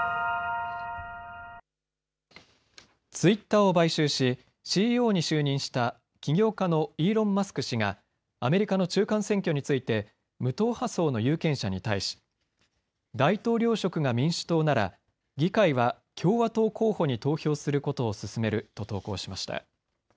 ツイッターを買収し、ＣＥＯに就任した起業家のイーロン・マスク氏がアメリカの中間選挙について無党派層の有権者に対し、大統領職が民主党なら議会は共和党候補に投票することを勧めると投稿しました。